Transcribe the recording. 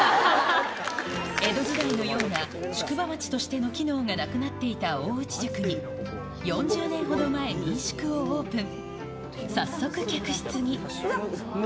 江戸時代のような宿場町としての機能がなくなっていた大内宿に、４０年ほど前、民宿をオープン。